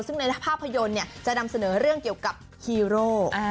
ซึ่งในภาพยนตร์จะนำเสนอเรื่องเกี่ยวกับฮีโร่